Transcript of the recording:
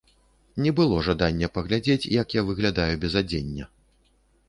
Не было жадання паглядзець, як я выглядаю без адзення.